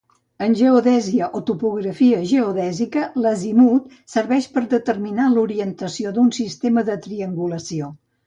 En geodèsia o topografia geodèsica l'azimut serveix per a determinar l'orientació d'un sistema de triangulació.